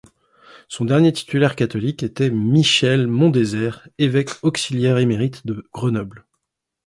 Son dernier titulaire catholique était Michel Mondésert, évêque auxiliaire émérite de Grenoble.